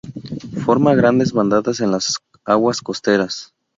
Forma grandes bandadas en las aguas costeras.